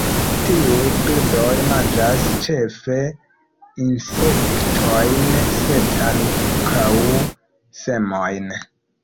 Tiuj birdoj manĝas ĉefe insektojn sed ankaŭ semojn.